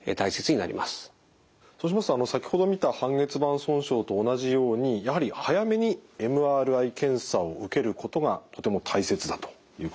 そうしますと先ほど見た半月板損傷と同じようにやはり早めにＭＲＩ検査を受けることがとても大切だということですね。